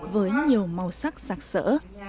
với nhiều màu sắc sạc sở